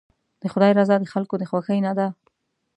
د خدای رضا د خلکو د خوښۍ نه ده.